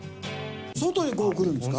外へこうくるんですか？